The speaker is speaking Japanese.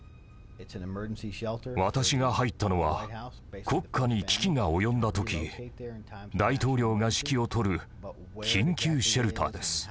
私が入ったのは国家に危機が及んだ時大統領が指揮を執る緊急シェルターです。